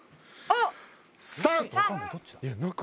あっ。